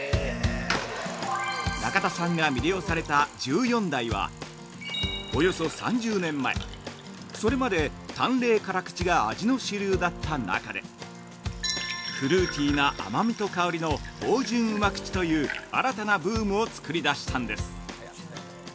◆中田さんが魅了された十四代はおよそ３０年前それまで淡麗辛口が味の主流だった中でフルーティーな甘みと香りの芳醇旨口という新たなブームを作り出したんです。